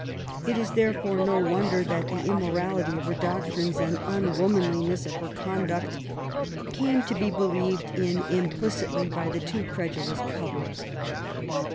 It is, therefore, no wonder that the immorality of her doctrines and unwomanliness of her conduct came to be believed in implicitly by the too credulous public.